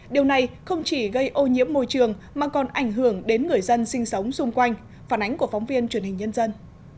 điều này không chỉ gây ô nhiễm môi trường mà còn ảnh hưởng đến người dân sinh sống xung quanh phản ánh của phóng viên truyền hình nhân dân